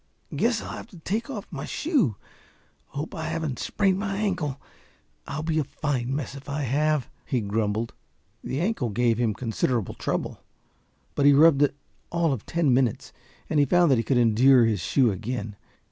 "Guess I'll have to take off my shoe. Hope I haven't sprained my ankle. I'll be in a fine mess if I have," he grumbled. The ankle gave him considerable trouble; but he rubbed it all of ten minutes, and he found that he could endure his shoe again.